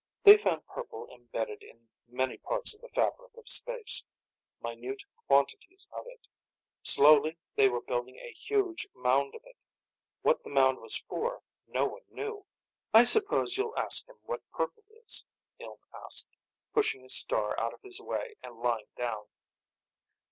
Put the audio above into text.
They found purple imbedded in many parts of the fabric of space, minute quantities of it. Slowly, they were building a huge mound of it. What the mound was for, no one knew. "I suppose you'll ask him what purple is?" Ilm asked, pushing a star out of his way and lying down.